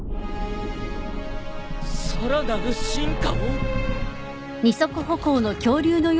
さらなる進化を！？